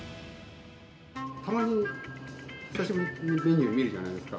たまに、久しぶりにメニュー見るじゃないですか。